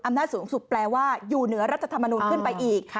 สูงสุดแปลว่าอยู่เหนือรัฐธรรมนูลขึ้นไปอีก